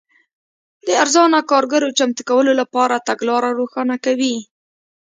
د ارزانه کارګرو چمتو کولو لپاره تګلاره روښانه کوي.